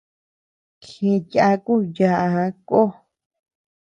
Gë yàku yââ kó.